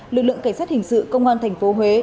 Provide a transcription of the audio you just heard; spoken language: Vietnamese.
lực lượng cảnh sát hình sự công an tp huế